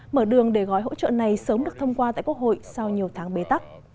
mở đường để gói hỗ trợ này sớm được thông qua tại quốc hội sau nhiều tháng bế tắc